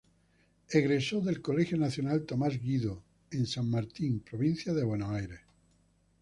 Egresó del colegio Nacional Tomás Guido, en San Martín, Provincia de Buenos Aires.